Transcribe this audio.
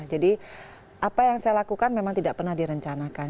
jadi apa yang saya lakukan memang tidak pernah direncanakan